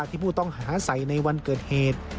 ที่ผู้ต้องหาใส่ในวันเกิดเหตุ